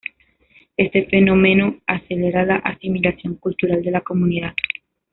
Este fenómeno acelera la asimilación cultural de la comunidad.